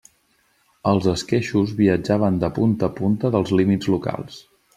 Els esqueixos viatjaven de punta a punta dels límits locals.